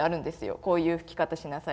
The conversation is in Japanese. こういう吹き方しなさい